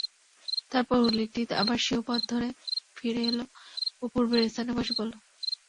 তারপর উল্লীটি আবার স্বীয় পথ ধরে ফিরে এল ও পূর্বের স্থানে বসে পড়ল।